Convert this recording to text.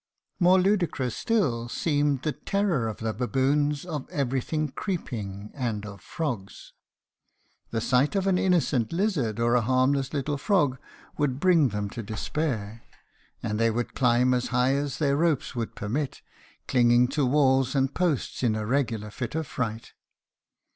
More ludicrous still seemed the terror of the baboons of everything creeping, and of frogs. The sight of an innocent lizard or a harmless little frog would bring them to despair, and they would climb as high as their ropes would permit, clinging to walls and posts in a regular fit of fright.